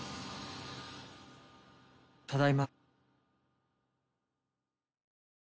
ただいま。